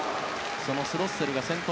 そのスロッセルが先頭。